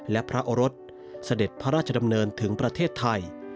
และพระโอรสเสด็จพระราชดำเนินถึงประเทศไทย